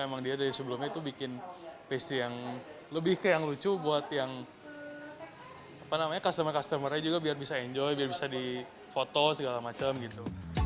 emang dia dari sebelumnya itu bikin pace yang lebih kayak yang lucu buat yang customer customer nya juga biar bisa enjoy biar bisa di foto segala macam gitu